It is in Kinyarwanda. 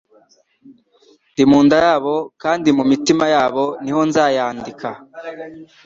mu nda yabo, kandi mu mitima yabo ni ho nzayandika.